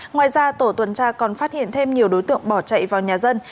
ngoài ra tổ tuần tra còn phát hiện thêm nhiều đối tượng bỏ chạy vào nhà dân